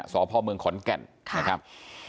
สพเมืองขอนแก่นนะครับ